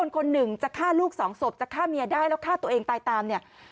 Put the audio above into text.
คนหนึ่งจะฆ่าลูกสองศพจะฆ่าเมียได้แล้วฆ่าตัวเองตายตามเนี่ย